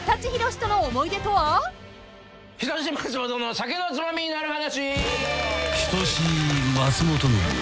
『人志松本の酒のツマミになる話』